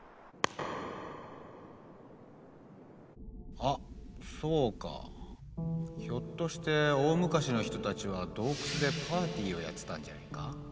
あっそうかひょっとして大昔の人たちは洞窟でパーティーをやってたんじゃないか？